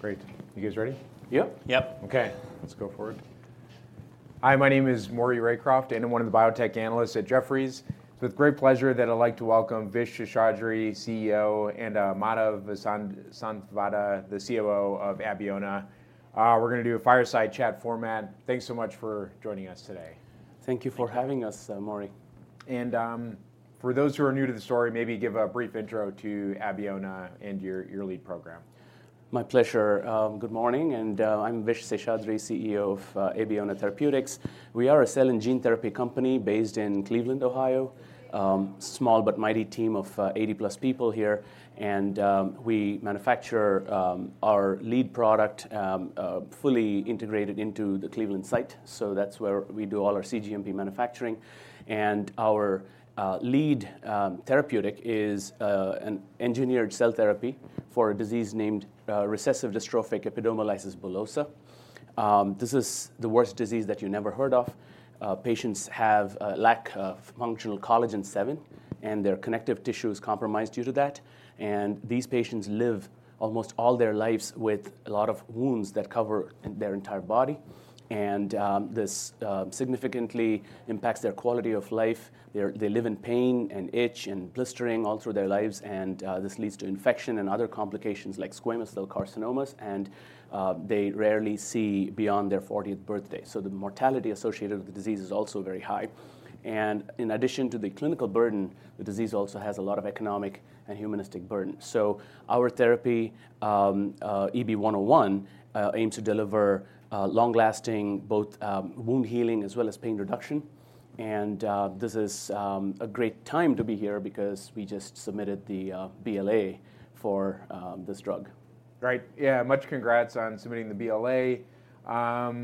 Great. You guys ready? Yep. Yep. Okay, let's go for it. Hi, my name is Maury Raycroft, and I'm one of the biotech analysts at Jefferies. It's with great pleasure that I'd like to welcome Vish Seshadri, CEO, and Madhav Vasanthavada, the COO of Abeona. We're gonna do a fireside chat format. Thanks so much for joining us today. Thank you for having us, Maury. For those who are new to the story, maybe give a brief intro to Abeona and your, your lead program. My pleasure. Good morning, and I'm Vish Seshadri, CEO of Abeona Therapeutics. We are a cell and gene therapy company based in Cleveland, Ohio. Small but mighty team of 80-plus people here, and we manufacture our lead product fully integrated into the Cleveland site. So that's where we do all our cGMP manufacturing. And our lead therapeutic is an engineered cell therapy for a disease named recessive dystrophic epidermolysis bullosa. This is the worst disease that you never heard of. Patients have a lack of functional Collagen VII, and their connective tissue is compromised due to that. And these patients live almost all their lives with a lot of wounds that cover their entire body, and this significantly impacts their quality of life. They live in pain and itch and blistering all through their lives, and this leads to infection and other complications like squamous cell carcinomas, and they rarely see beyond their fortieth birthday. So the mortality associated with the disease is also very high. And in addition to the clinical burden, the disease also has a lot of economic and humanistic burden. So our therapy, EB-101, aims to deliver long-lasting, both wound healing as well as pain reduction. And this is a great time to be here because we just submitted the BLA for this drug. Great. Yeah, much congrats on submitting the BLA. A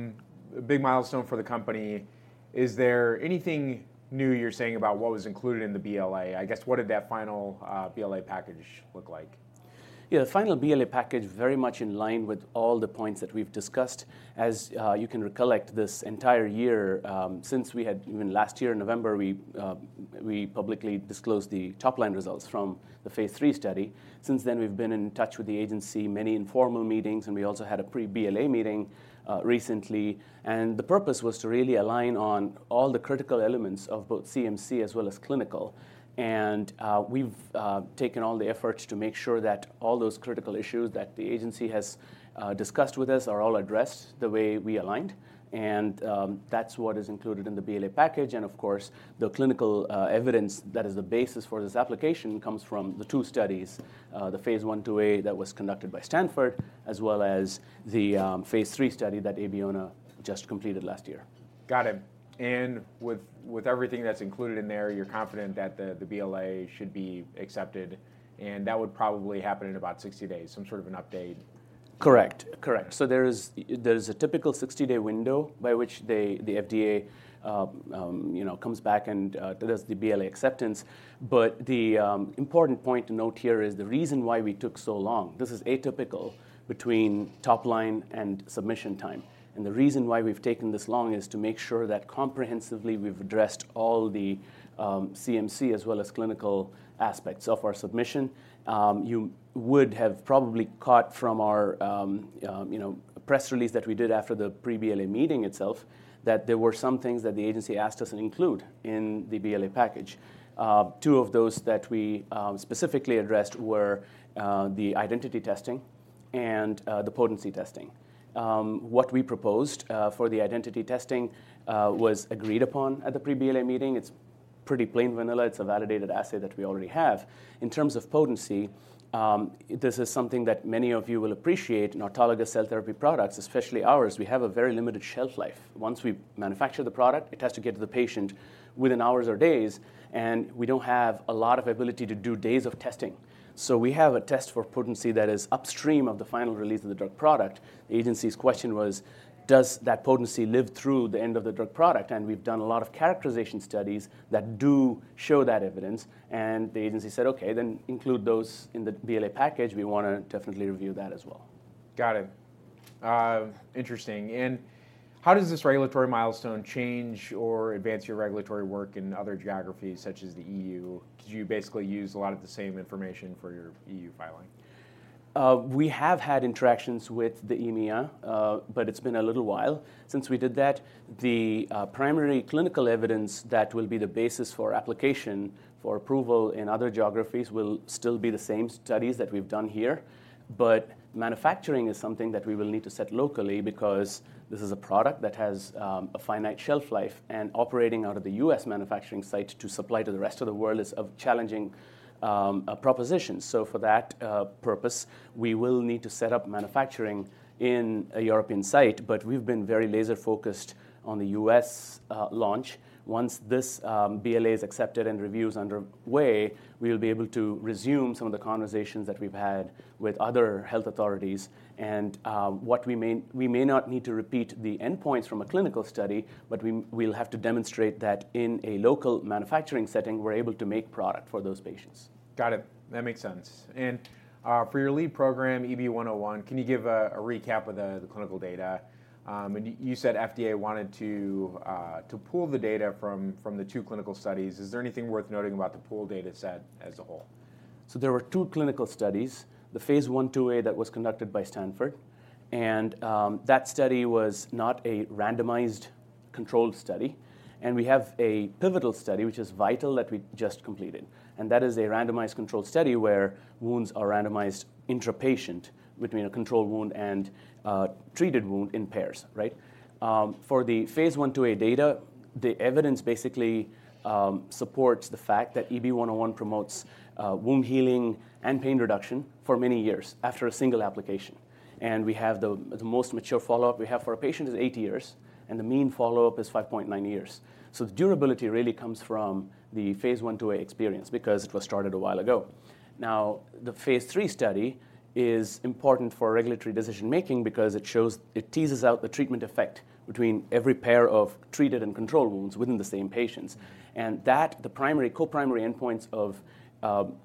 big milestone for the company. Is there anything new you're saying about what was included in the BLA? I guess, what did that final, BLA package look like? Yeah, the final BLA package, very much in line with all the points that we've discussed. As you can recollect, this entire year, since we had even last year in November, we publicly disclosed the top-line results from the phase III study. Since then, we've been in touch with the agency, many informal meetings, and we also had a pre-BLA meeting recently. And the purpose was to really align on all the critical elements of both CMC as well as clinical. And we've taken all the efforts to make sure that all those critical issues that the agency has discussed with us are all addressed the way we aligned, and that's what is included in the BLA package. Of course, the clinical evidence that is the basis for this application comes from the two studies, the phase I/II-A that was conducted by Stanford, as well as the phase III study that Abeona just completed last year. Got it. And with everything that's included in there, you're confident that the BLA should be accepted, and that would probably happen in about 60 days, some sort of an update? Correct, correct. So there is a typical 60-day window by which they, the FDA, you know, comes back and does the BLA acceptance. But the important point to note here is the reason why we took so long, this is atypical between top line and submission time, and the reason why we've taken this long is to make sure that comprehensively, we've addressed all the CMC as well as clinical aspects of our submission. You would have probably caught from our, you know, press release that we did after the pre-BLA meeting itself, that there were some things that the agency asked us to include in the BLA package. Two of those that we specifically addressed were the identity testing and the potency testing. What we proposed for the identity testing was agreed upon at the Pre-BLA meeting. It's pretty plain vanilla. It's a validated assay that we already have. In terms of potency, this is something that many of you will appreciate in autologous cell therapy products, especially ours. We have a very limited shelf life. Once we manufacture the product, it has to get to the patient within hours or days, and we don't have a lot of ability to do days of testing. So we have a test for potency that is upstream of the final release of the drug product. The agency's question was: Does that potency live through the end of the drug product? And we've done a lot of characterization studies that do show that evidence, and the agency said, "Okay, then include those in the BLA package. We wanna definitely review that as well. Got it. Interesting. How does this regulatory milestone change or advance your regulatory work in other geographies, such as the EU? Do you basically use a lot of the same information for your EU filing? We have had interactions with the EMEA, but it's been a little while since we did that. The primary clinical evidence that will be the basis for application for approval in other geographies will still be the same studies that we've done here, but manufacturing is something that we will need to set locally because this is a product that has a finite shelf life, and operating out of the U.S. manufacturing site to supply to the rest of the world is a challenging proposition. So for that purpose, we will need to set up manufacturing in a European site, but we've been very laser-focused on the U.S. launch. Once this BLA is accepted and review is underway, we will be able to resume some of the conversations that we've had with other health authorities. What we may not need to repeat the endpoints from a clinical study, but we'll have to demonstrate that in a local manufacturing setting, we're able to make product for those patients. Got it. That makes sense. And for your lead program, EB-101, can you give a recap of the clinical data? And you said FDA wanted to pool the data from the two clinical studies. Is there anything worth noting about the pool data set as a whole?... So there were two clinical studies, the phase I/II-A that was conducted by Stanford, and that study was not a randomized controlled study. And we have a pivotal study, which is VIITAL, that we just completed, and that is a randomized controlled study where wounds are randomized intra-patient between a control wound and a treated wound in pairs, right? For the phase I/II-A data, the evidence basically supports the fact that EB-101 promotes wound healing and pain reduction for many years after a single application. And we have the most mature follow-up we have for a patient is eight years, and the mean follow-up is 5.9 years. So the durability really comes from the phase I/II-A experience because it was started a while ago. Now, the phase III study is important for regulatory decision-making because it shows, it teases out the treatment effect between every pair of treated and control wounds within the same patients. And that, the primary, co-primary endpoints of,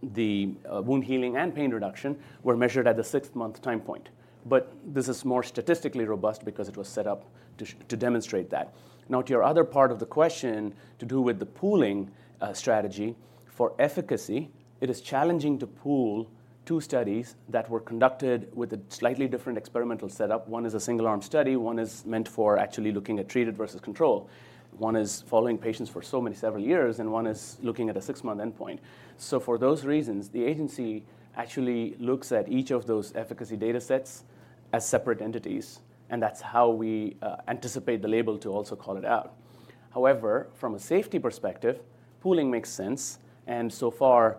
the, wound healing and pain reduction, were measured at the sixth-month time point. But this is more statistically robust because it was set up to, to demonstrate that. Now, to your other part of the question to do with the pooling, strategy, for efficacy, it is challenging to pool two studies that were conducted with a slightly different experimental setup. One is a single-arm study, one is meant for actually looking at treated versus control. One is following patients for so many several years, and one is looking at a six-month endpoint. So for those reasons, the agency actually looks at each of those efficacy data sets as separate entities, and that's how we anticipate the label to also call it out. However, from a safety perspective, pooling makes sense, and so far,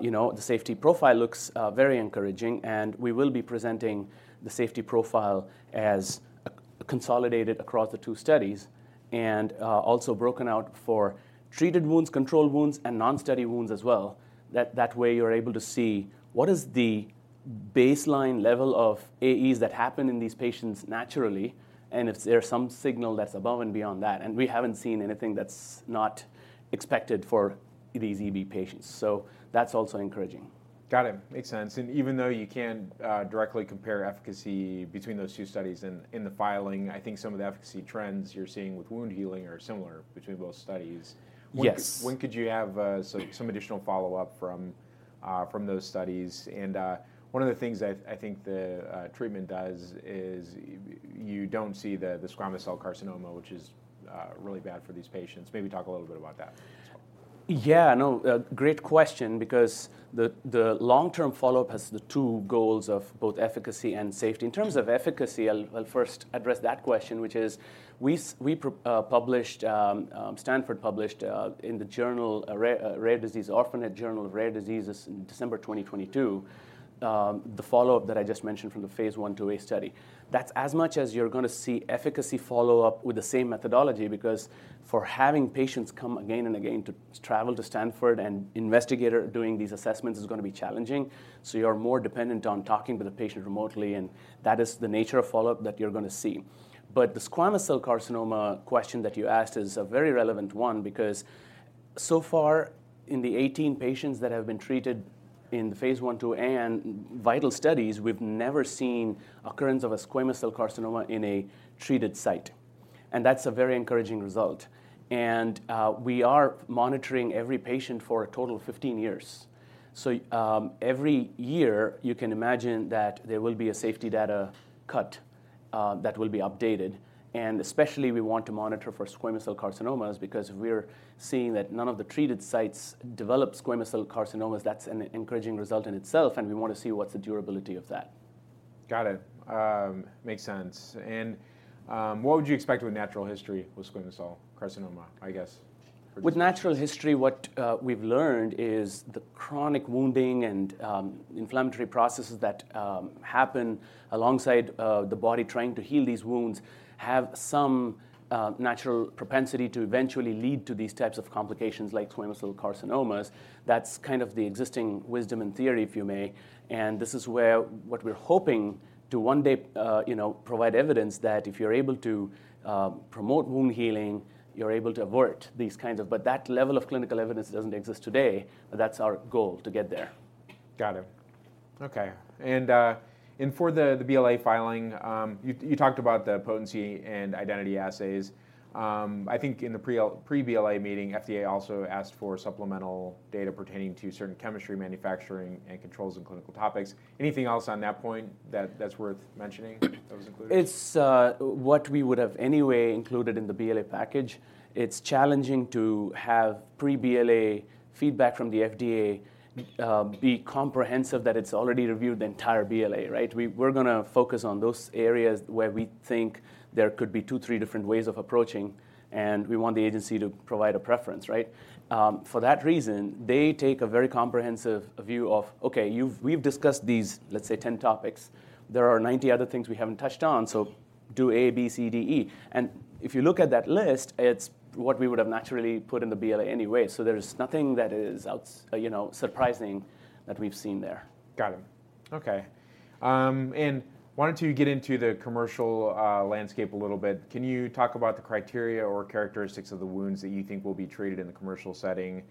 you know, the safety profile looks very encouraging, and we will be presenting the safety profile as a consolidated across the two studies, and also broken out for treated wounds, control wounds, and non-study wounds as well. That way, you're able to see what is the baseline level of AEs that happen in these patients naturally, and if there's some signal that's above and beyond that, and we haven't seen anything that's not expected for these EB patients. So that's also encouraging. Got it. Makes sense. And even though you can't directly compare efficacy between those two studies in the filing, I think some of the efficacy trends you're seeing with wound healing are similar between both studies. Yes. When could you have some additional follow-up from those studies? And one of the things I think the treatment does is you don't see the squamous cell carcinoma, which is really bad for these patients. Maybe talk a little bit about that. Yeah, no, a great question because the long-term follow-up has the two goals of both efficacy and safety. In terms of efficacy, I'll first address that question, which is, Stanford published in the journal Orphanet Journal of Rare Diseases in December 2022 the follow-up that I just mentioned from the phase I/II-A study. That's as much as you're gonna see efficacy follow-up with the same methodology, because for having patients come again and again to travel to Stanford and investigator doing these assessments is gonna be challenging. So you're more dependent on talking with the patient remotely, and that is the nature of follow-up that you're gonna see. But the squamous cell carcinoma question that you asked is a very relevant one because so far, in the 18 patients that have been treated in the phase I/II-A and VIITAL studies, we've never seen occurrence of a squamous cell carcinoma in a treated site, and that's a very encouraging result. And, we are monitoring every patient for a total of 15 years. So, every year, you can imagine that there will be a safety data cut, that will be updated. And especially we want to monitor for squamous cell carcinomas because if we're seeing that none of the treated sites develop squamous cell carcinomas, that's an encouraging result in itself, and we want to see what's the durability of that. Got it. Makes sense. What would you expect with natural history with squamous cell carcinoma, I guess? With natural history, what we've learned is the chronic wounding and inflammatory processes that happen alongside the body trying to heal these wounds have some natural propensity to eventually lead to these types of complications like squamous cell carcinomas. That's kind of the existing wisdom and theory, if you may, and this is where what we're hoping to one day, you know, provide evidence that if you're able to promote wound healing, you're able to avert these kinds of but that level of clinical evidence doesn't exist today. That's our goal, to get there. Got it. Okay, and for the BLA filing, you talked about the potency and identity assays. I think in the pre-BLA meeting, FDA also asked for supplemental data pertaining to certain chemistry, manufacturing, and controls and clinical topics. Anything else on that point that's worth mentioning that was included? It's what we would have anyway included in the BLA package. It's challenging to have pre-BLA feedback from the FDA be comprehensive, that it's already reviewed the entire BLA, right? We're gonna focus on those areas where we think there could be two, three different ways of approaching, and we want the agency to provide a preference, right? For that reason, they take a very comprehensive view of, "Okay, we've discussed these, let's say, 10 topics. There are 90 other things we haven't touched on, so do A, B, C, D, E." And if you look at that list, it's what we would have naturally put in the BLA anyway. So there's nothing that is out, you know, surprising that we've seen there. Got it... Okay. Why don't you get into the commercial landscape a little bit? Can you talk about the criteria or characteristics of the wounds that you think will be treated in the commercial setting?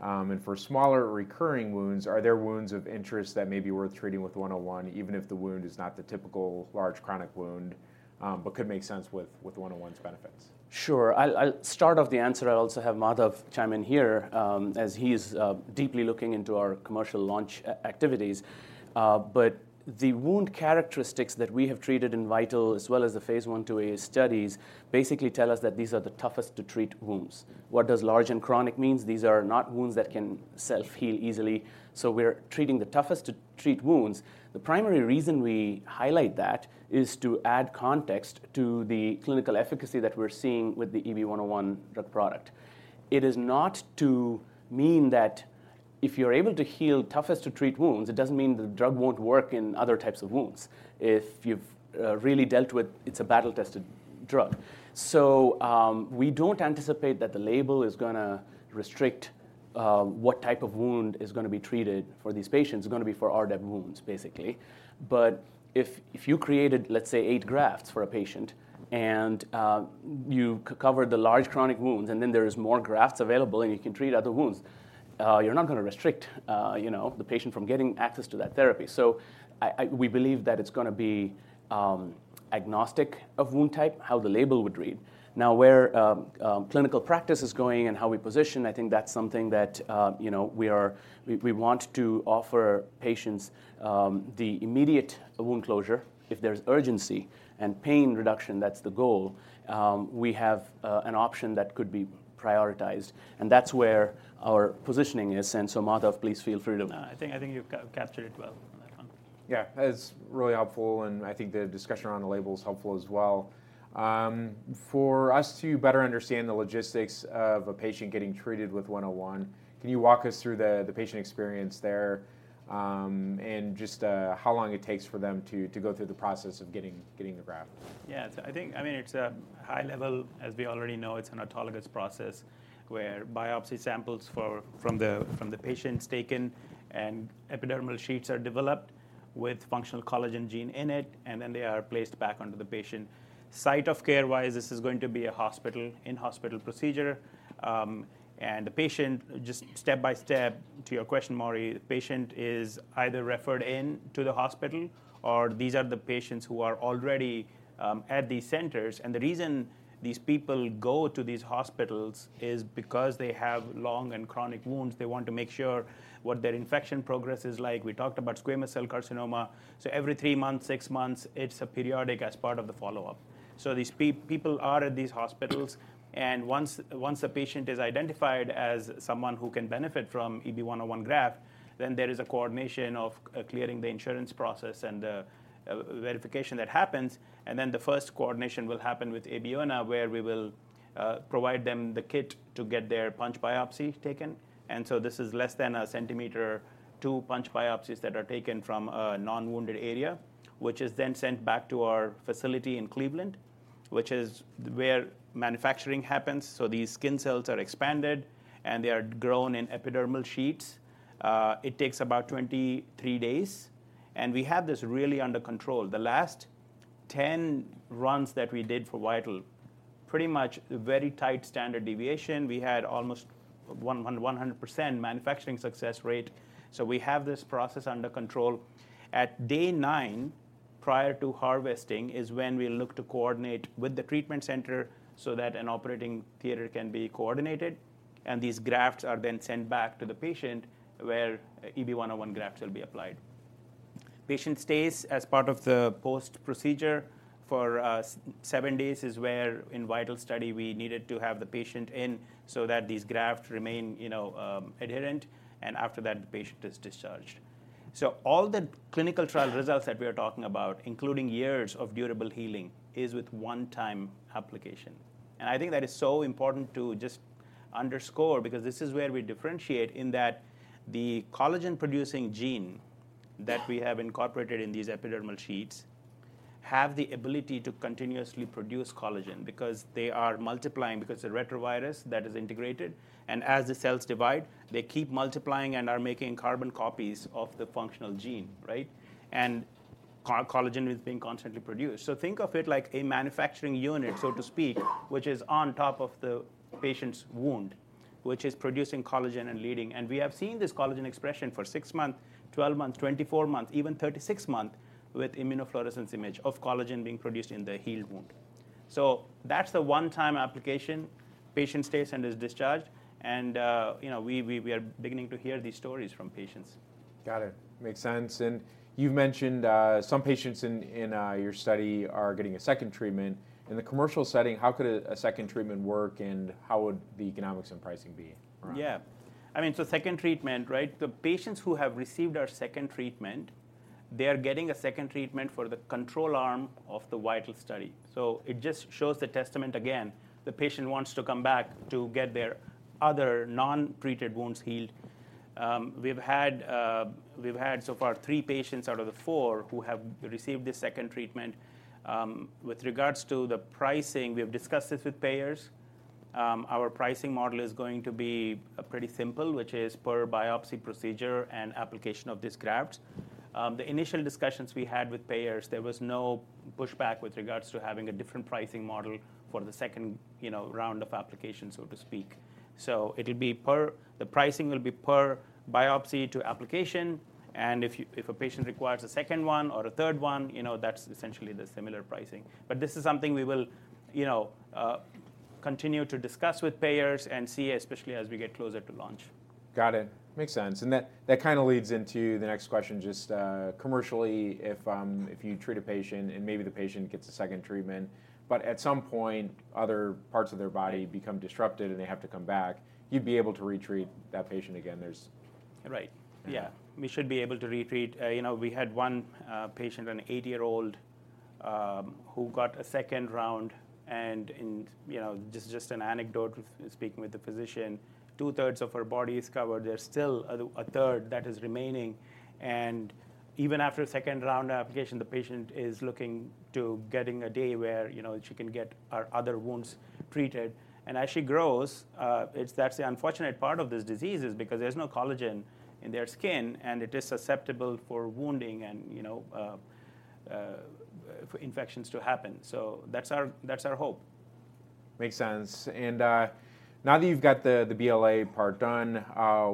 For smaller recurring wounds, are there wounds of interest that may be worth treating with 101, even if the wound is not the typical large chronic wound, but could make sense with 101's benefits? Sure. I'll start off the answer. I also have Madhav chime in here, as he's deeply looking into our commercial launch activities. But the wound characteristics that we have treated in VIITAL, as well as the phase I/II-A studies, basically tell us that these are the toughest to treat wounds. What does large and chronic means? These are not wounds that can self-heal easily, so we're treating the toughest to treat wounds. The primary reason we highlight that is to add context to the clinical efficacy that we're seeing with the EB-101 drug product. It is not to mean that if you're able to heal toughest to treat wounds, it doesn't mean the drug won't work in other types of wounds. If you've really dealt with... it's a battle-tested drug. So, we don't anticipate that the label is gonna restrict what type of wound is gonna be treated for these patients. It's gonna be for RDEB wounds, basically. But if you created, let's say, eight grafts for a patient, and you covered the large chronic wounds, and then there is more grafts available, and you can treat other wounds, you're not gonna restrict, you know, the patient from getting access to that therapy. So we believe that it's gonna be agnostic of wound type, how the label would read. Now, where clinical practice is going and how we position, I think that's something that, you know, we want to offer patients the immediate wound closure. If there's urgency and pain reduction, that's the goal. We have an option that could be prioritized, and that's where our positioning is. And so Madhav, please feel free to. think you've captured it well on that one. Yeah, that's really helpful, and I think the discussion around the label is helpful as well. For us to better understand the logistics of a patient getting treated with EB-101, can you walk us through the patient experience there, and just how long it takes for them to go through the process of getting the graft? Yeah, I think, I mean, it's a high level, as we already know, it's an autologous process, where biopsy samples from the patient is taken, and epidermal sheets are developed with functional collagen gene in it, and then they are placed back onto the patient. Site of care-wise, this is going to be a hospital, in-hospital procedure. And the patient, just step by step to your question, Maury, the patient is either referred in to the hospital, or these are the patients who are already at these centers. And the reason these people go to these hospitals is because they have long and chronic wounds. They want to make sure what their infection progress is like. We talked about squamous cell carcinoma. So every three months, six months, it's a periodic as part of the follow-up. So these people are at these hospitals, and once a patient is identified as someone who can benefit from EB-101 graft, then there is a coordination of clearing the insurance process and verification that happens, and then the first coordination will happen with Abeona, where we will provide them the kit to get their punch biopsy taken. And so this is less than a centimeter, two punch biopsies that are taken from a non-wounded area, which is then sent back to our facility in Cleveland, which is where manufacturing happens. So these skin cells are expanded, and they are grown in epidermal sheets. It takes about 23 days, and we have this really under control. The last 10 runs that we did for VIITAL, pretty much very tight standard deviation. We had almost 100% manufacturing success rate, so we have this process under control. At day nine, prior to harvesting, is when we look to coordinate with the treatment center so that an operating theater can be coordinated, and these grafts are then sent back to the patient, where EB-101 grafts will be applied. Patient stays as part of the post-procedure for seven days, is where in VIITAL study we needed to have the patient in so that these grafts remain, you know, adherent, and after that, the patient is discharged. So all the clinical trial results that we are talking about, including years of durable healing, is with one-time application. I think that is so important to just underscore because this is where we differentiate, in that the collagen-producing gene that we have incorporated in these epidermal sheets have the ability to continuously produce collagen because they are multiplying, because the retrovirus that is integrated, and as the cells divide, they keep multiplying and are making carbon copies of the functional gene, right? And collagen is being constantly produced. So think of it like a manufacturing unit, so to speak, which is on top of the patient's wound, which is producing collagen and leading... And we have seen this collagen expression for six months, 12 months, 24 months, even 36 months, with immunofluorescence image of collagen being produced in the healed wound. So that's the one-time application. Patient stays and is discharged, and, you know, we are beginning to hear these stories from patients. Got it. Makes sense. And you've mentioned some patients in your study are getting a second treatment. In the commercial setting, how could a second treatment work, and how would the economics and pricing be? Yeah. I mean, so second treatment, right? The patients who have received our second treatment, they are getting a second treatment for the control arm of the VIITAL study. So it just shows the testament again, the patient wants to come back to get their other non-treated wounds healed. We've had so far three patients out of the four who have received the second treatment. With regards to the pricing, we have discussed this with payers. Our pricing model is going to be pretty simple, which is per biopsy procedure and application of these grafts. The initial discussions we had with payers, there was no pushback with regards to having a different pricing model for the second, you know, round of application, so to speak. So it'll be the pricing will be per biopsy to application, and if a patient requires a second one or a third one, you know, that's essentially the similar pricing. But this is something we will, you know, continue to discuss with payers and see, especially as we get closer to launch. Got it. Makes sense. And that, that kind of leads into the next question, just, commercially, if, if you treat a patient and maybe the patient gets a second treatment, but at some point, other parts of their body become disrupted, and they have to come back, you'd be able to retreat that patient again, there's- Right. Yeah. Yeah, we should be able to retreat. You know, we had one patient, an 80-year-old, who got a second round, and. You know, this is just an anecdote with speaking with the physician. Two-thirds of her body is covered, there's still a third that is remaining, and even after a second round application, the patient is looking to getting a day where, you know, she can get her other wounds treated. And as she grows, it's—that's the unfortunate part of this disease is because there's no collagen in their skin, and it is susceptible for wounding and, you know, for infections to happen. So that's our, that's our hope. Makes sense. And now that you've got the BLA part done,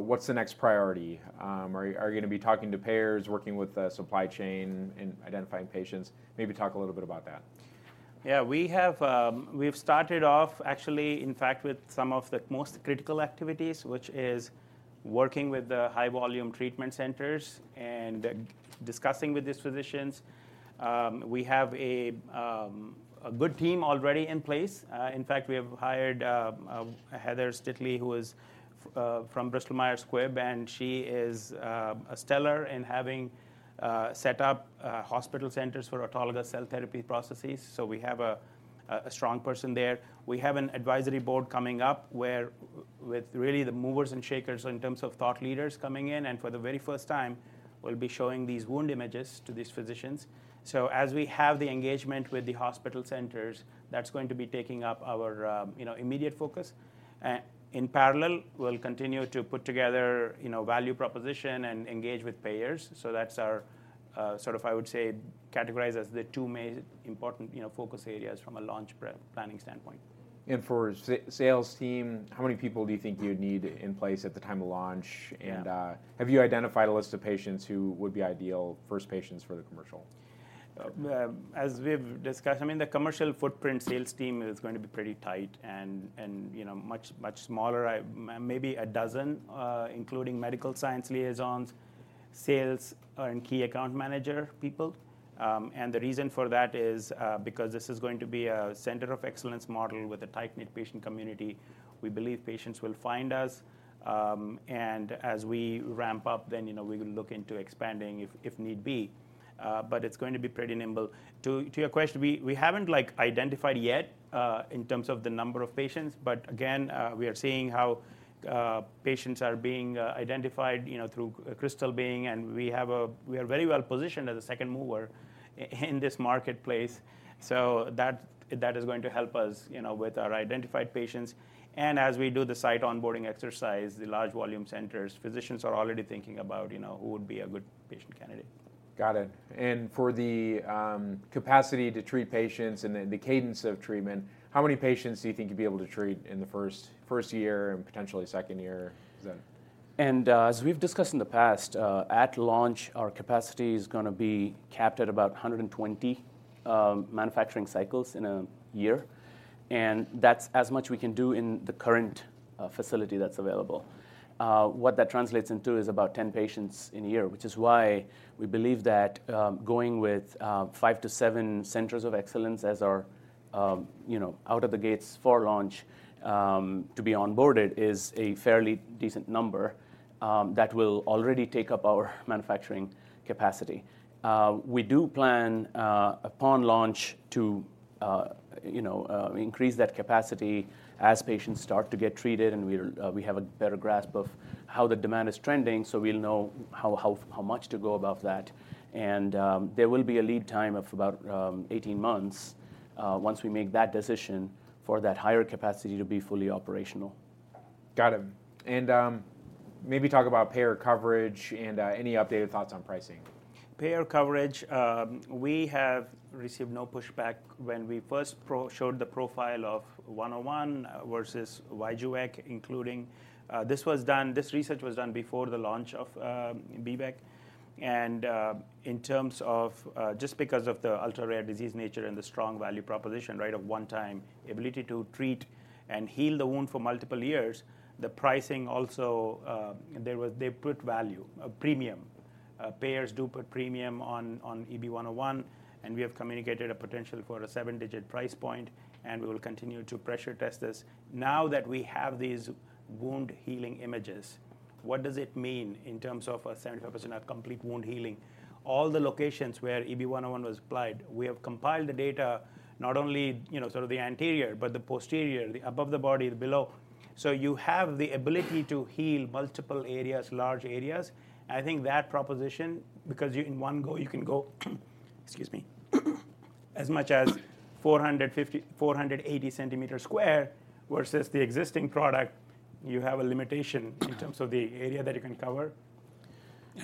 what's the next priority? Are you gonna be talking to payers, working with the supply chain, and identifying patients? Maybe talk a little bit about that. Yeah, we have, we've started off actually, in fact, with some of the most critical activities, which is working with the high-volume treatment centers and discussing with these physicians. We have a good team already in place. In fact, we have hired Heather Stitley, who is from Bristol Myers Squibb, and she is stellar in having set up hospital centers for autologous cell therapy processes. So we have a strong person there. We have an advisory board coming up, where with really the movers and shakers in terms of thought leaders coming in, and for the very first time, we'll be showing these wound images to these physicians. So as we have the engagement with the hospital centers, that's going to be taking up our, you know, immediate focus. In parallel, we'll continue to put together, you know, value proposition and engage with payers. So that's our, sort of, I would say, categorize as the two main important, you know, focus areas from a launch pre-planning standpoint. For sales team, how many people do you think you'd need in place at the time of launch? Yeah. Have you identified a list of patients who would be ideal first patients for the commercial? As we've discussed, I mean, the commercial footprint sales team is going to be pretty tight and, you know, much smaller, maybe a dozen, including medical science liaisons, sales, and key account manager people. And the reason for that is, because this is going to be a center of excellence model with a tight-knit patient community. We believe patients will find us, and as we ramp up, then, you know, we will look into expanding if need be. But it's going to be pretty nimble. To your question, we haven't, like, identified yet in terms of the number of patients, but again, we are seeing how patients are being identified, you know, through Krystal Biotech, and we are very well positioned as a second mover in this marketplace. That is going to help us, you know, with our identified patients. As we do the site onboarding exercise, the large volume centers, physicians are already thinking about, you know, who would be a good patient candidate. Got it. And for the capacity to treat patients and the cadence of treatment, how many patients do you think you'd be able to treat in the first year and potentially second year is that? As we've discussed in the past, at launch, our capacity is gonna be capped at about 120 manufacturing cycles in a year, and that's as much we can do in the current facility that's available. What that translates into is about 10 patients in a year, which is why we believe that going with 5-7 centers of excellence as our, you know, out of the gates for launch to be onboarded is a fairly decent number that will already take up our manufacturing capacity. We do plan upon launch to, you know, increase that capacity as patients start to get treated, and we're, we have a better grasp of how the demand is trending, so we'll know how much to go above that. There will be a lead time of about 18 months once we make that decision for that higher capacity to be fully operational. Got it. And, maybe talk about payer coverage and, any updated thoughts on pricing. Payer coverage, we have received no pushback when we first presented the profile of EB-101 versus Vyjuvek, including, this research was done before the launch of B-VEC. In terms of just because of the ultra-rare disease nature and the strong value proposition, right, of one-time ability to treat and heal the wound for multiple years, the pricing also, they put value, a premium. Payers do put premium on EB-101, and we have communicated a potential for a seven-digit price point, and we will continue to pressure test this. Now that we have these wound-healing images, what does it mean in terms of 75% of complete wound healing? All the locations where EB-101 was applied, we have compiled the data, not only, you know, sort of the anterior, but the posterior, the above the body, the below. So you have the ability to heal multiple areas, large areas. I think that proposition, because you in one go, you can go,... excuse me. As much as 450-480 square centimeters, versus the existing product, you have a limitation in terms of the area that you can cover.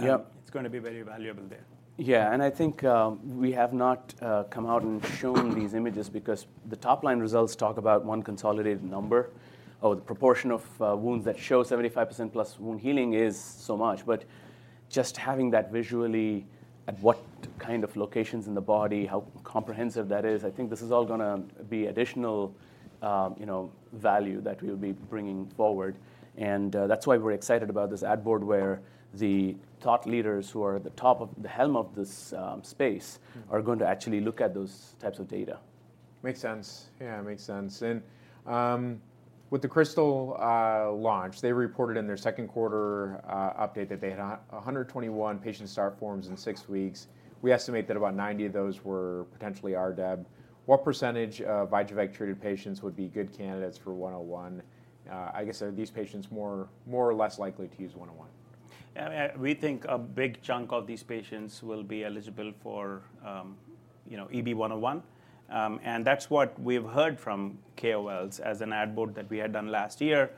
Yep. It's gonna be very valuable there. Yeah, and I think we have not come out and shown these images because the top-line results talk about one consolidated number, or the proportion of wounds that show 75% plus wound healing is so much. But just having that visually, at what kind of locations in the body, how comprehensive that is, I think this is all gonna be additional, you know, value that we'll be bringing forward. And that's why we're excited about this ad board, where the top leaders who are at the top of the helm of this space- Mm -are going to actually look at those types of data. Makes sense. Yeah, makes sense. And, with the Krystal launch, they reported in their second quarter update that they had 121 patient start forms in six weeks. We estimate that about 90 of those were potentially RDEB. What percentage of Vyjuvek-treated patients would be good candidates for 101? I guess, are these patients more or less likely to use 101? We think a big chunk of these patients will be eligible for, you know, EB-101. And that's what we've heard from KOLs, as an ad board that we had done last year.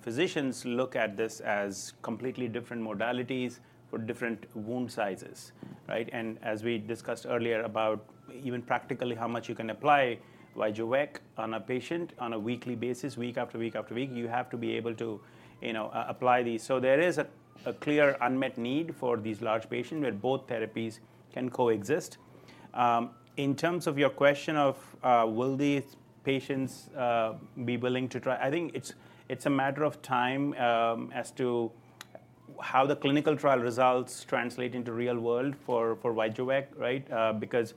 Physicians look at this as completely different modalities for different wound sizes, right? And as we discussed earlier, about even practically how much you can apply Vyjuvek on a patient on a weekly basis, week after week after week, you have to be able to, you know, apply these. So there is a clear unmet need for these large patients, where both therapies can coexist. In terms of your question of, will these patients be willing to try? I think it's a matter of time, as to how the clinical trial results translate into real world for Vyjuvek, right? Because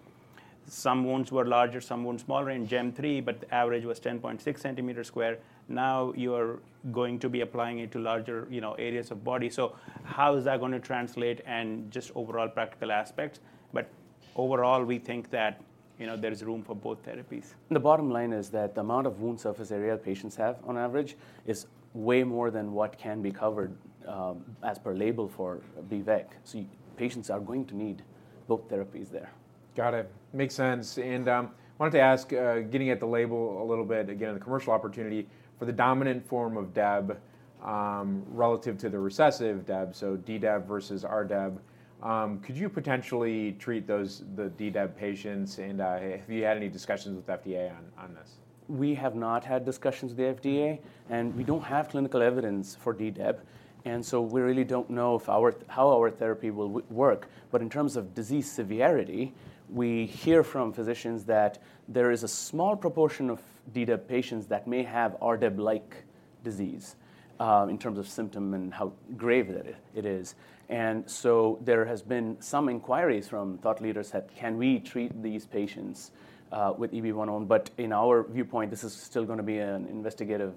some wounds were larger, some wounds smaller in GEM-3, but the average was 10.6 centimeters squared. Now, you are going to be applying it to larger, you know, areas of body. So how is that gonna translate and just overall practical aspects, but overall, we think that, you know, there is room for both therapies. The bottom line is that the amount of wound surface area patients have on average is way more than what can be covered, as per label for B-VEC. So patients are going to need both therapies there. Got it. Makes sense, and I wanted to ask, getting at the label a little bit again, the commercial opportunity for the dominant form of DEB, relative to the recessive DEB, so DDEB versus RDEB. Could you potentially treat those, the DDEB patients? And, if you had any discussions with FDA on this. We have not had discussions with the FDA, and we don't have clinical evidence for DDEB, and so we really don't know how our therapy will work. But in terms of disease severity, we hear from physicians that there is a small proportion of DDEB patients that may have RDEB-like disease, in terms of symptom and how grave it is. And so there has been some inquiries from thought leaders that, "Can we treat these patients with EB-101?" But in our viewpoint, this is still gonna be an investigative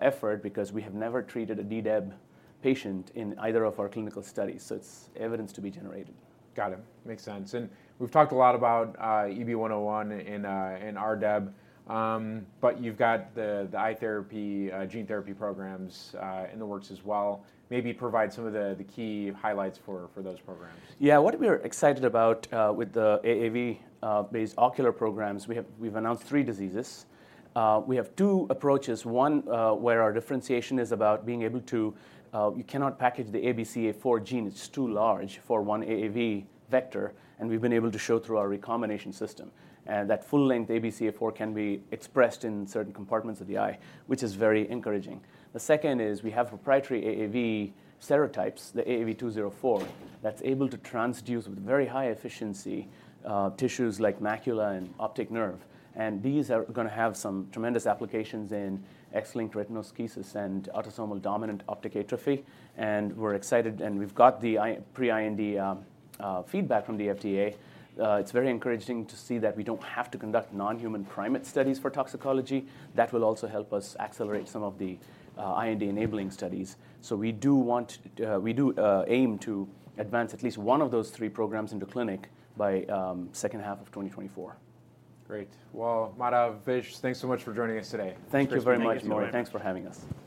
effort because we have never treated a DDEB patient in either of our clinical studies. So it's evidence to be generated. Got it. Makes sense. And we've talked a lot about EB-101 and RDEB, but you've got the eye therapy gene therapy programs in the works as well. Maybe provide some of the key highlights for those programs. Yeah. What we are excited about with the AAV-based ocular programs, we have—we've announced three diseases. We have two approaches: one, where our differentiation is about being able to, you cannot package the ABCA4 gene. It's too large for one AAV vector, and we've been able to show through our recombination system. And that full-length ABCA4 can be expressed in certain compartments of the eye, which is very encouraging. The second is, we have proprietary AAV serotypes, the AAV204, that's able to transduce with very high efficiency, tissues like macula and optic nerve. And these are gonna have some tremendous applications in X-linked retinoschisis and autosomal dominant optic atrophy, and we're excited, and we've got our pre-IND feedback from the FDA. It's very encouraging to see that we don't have to conduct non-human primate studies for toxicology. That will also help us accelerate some of the IND-enabling studies. So we do want to aim to advance at least one of those three programs into clinic by second half of 2024. Great! Well, Madhav, Vish, thanks so much for joining us today. Thank you very much. Thank you. Thanks for having us.